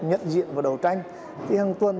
nhận diện và đầu tranh thì hằng tuần